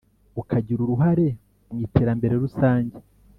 Ukagira uruhare mu iterambere rusange